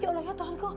ya allah ya tuhan